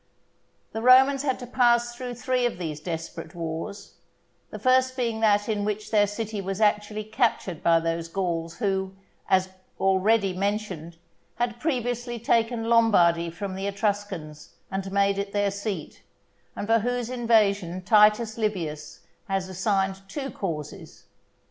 The Romans had to pass through three of these desperate wars; the first being that in which their city was actually captured by those Gauls who, as already mentioned, had previously taken Lombardy from the Etruscans and made it their seat, and for whose invasion Titus Livius has assigned two causes.